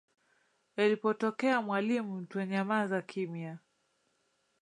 Elipotokea mwalimu twenyamaza kimya